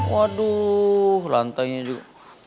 waduh lantainya juga